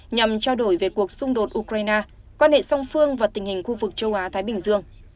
nhằm trao đổi về cuộc xung đột ukraine quan hệ song phương và tình hình khu vực châu á thái bình dương